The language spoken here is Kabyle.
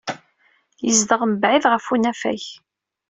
Yezdeɣ mebɛid ɣef unafag.